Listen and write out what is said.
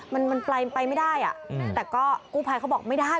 มันมันไปไม่ได้อ่ะแต่ก็กู้ภัยเขาบอกไม่ได้